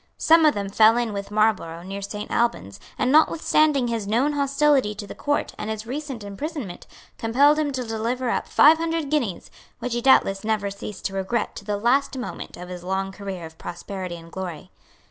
Some of them fell in with Marlborough near Saint Albans, and, notwithstanding his known hostility to the Court and his recent imprisonment, compelled him to deliver up five hundred guineas, which he doubtless never ceased to regret to the last moment of his long career of prosperity and glory.